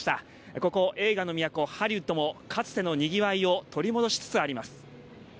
ここ、映画の都、ハリウッドもかつてのにぎわいを取り戻しつつあります。